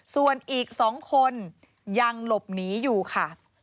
ส่วนอีก๒คนยังหลบหนีอยู่ค่ะ